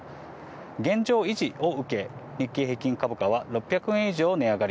現状維持を受け、日経平均株価は６００円以上値上がり。